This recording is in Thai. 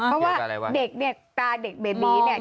เพราะว่าเด็กเนี่ยตาเด็กเบบีเนี่ย